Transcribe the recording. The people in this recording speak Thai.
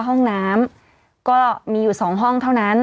ห้องน้ำก็มีอยู่๒ห้องเท่านั้น